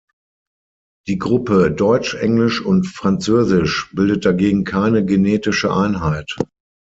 Die Gruppe „Deutsch, Englisch und Französisch“ bildet dagegen keine genetische Einheit.